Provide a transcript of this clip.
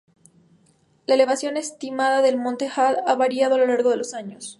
La elevación estimada del monte Hood ha variado a lo largo de los años.